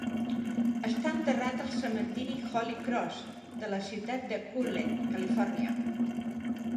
Està enterrat al cementiri Holy Cross de la ciutat de Cullen, Califòrnia.